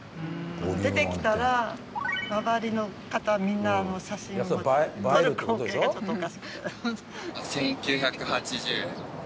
出てきたら周りの方みんな写真を撮る光景がちょっとおかしくて。